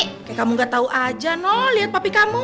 kayak kamu gak tau aja noh lihat papi kamu